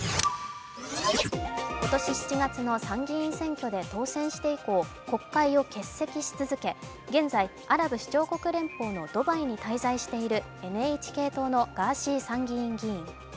今年７月の参議院選挙で当選していこう、国会を欠席し続け、現在、アラブ首長国連邦のドバイに滞在しているＮＨＫ党のガーシー参議院議員。